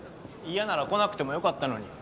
嫌なら来なくてもよかったのに。